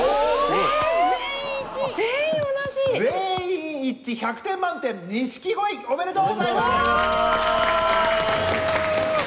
全員一致１００点満点錦鯉おめでとうございます！